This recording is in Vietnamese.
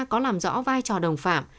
có làm rõ vai trò đồng phạm